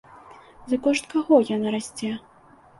За кошт каго яна расце?